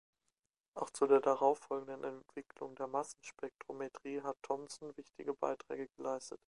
Auch zu der darauf folgenden Entwicklung der Massenspektrometrie hat Thomson wichtige Beiträge geleistet.